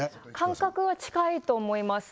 感覚は近いと思います